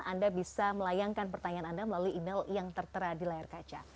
anda bisa melayangkan pertanyaan anda melalui email yang tertera di layar kaca